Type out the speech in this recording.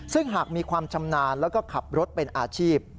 ซึ่งหากมีความชำนาญแล้วก็ขับรถเป็นอาชีพ